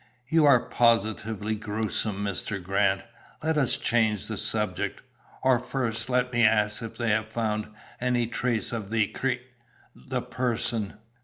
"You are positively gruesome, Mr. Grant! Let us change the subject. Or, first let me ask if they have found any trace of the cr the person?"